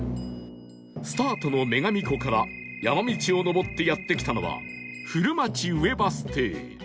スタートの女神湖から山道を上ってやって来たのは古町上バス停